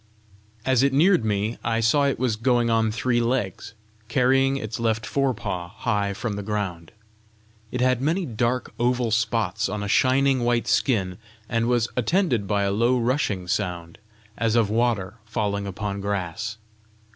As it neared me, I saw it was going on three legs, carrying its left fore paw high from the ground. It had many dark, oval spots on a shining white skin, and was attended by a low rushing sound, as of water falling upon grass.